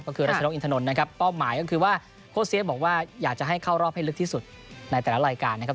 ก็คือรัชนกอินทนนท์นะครับเป้าหมายก็คือว่าโค้เสียบอกว่าอยากจะให้เข้ารอบให้ลึกที่สุดในแต่ละรายการนะครับ